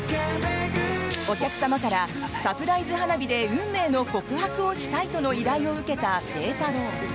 お客様から、サプライズ花火で運命の告白をしたいとの依頼を受けた星太郎。